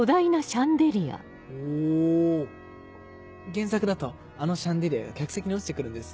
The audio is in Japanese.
原作だとあのシャンデリアが客席に落ちて来るんです。